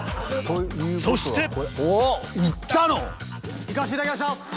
そして行かせていただきました！